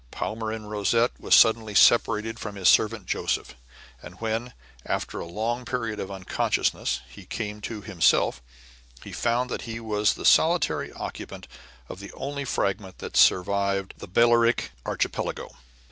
Palmyrin Rosette was suddenly separated from his servant Joseph, and when, after a long period of unconsciousness, he came to himself, he found that he was the solitary occupant of the only fragment that survived of the Balearic Archipelago.